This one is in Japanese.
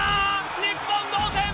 日本、同点！